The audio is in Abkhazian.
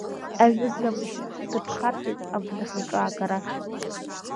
Аҩны днамышьҭ, дыԥхарҵеит абнахь мҿаагара.